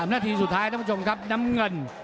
นาทีสุดท้ายท่านผู้ชมครับน้ำเงิน